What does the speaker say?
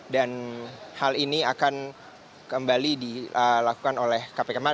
dan hal ini akan kembali dilakukan oleh kpk